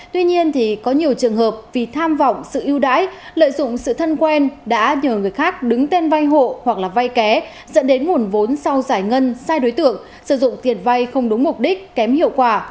tuy nhiên có nhiều trường hợp vì tham vọng sự yêu đãi lợi dụng sự thân quen đã nhờ người khác đứng tên vai hộ hoặc vai ké dẫn đến nguồn vốn sau giải ngân sai đối tượng sử dụng tiền vai không đúng mục đích kém hiệu quả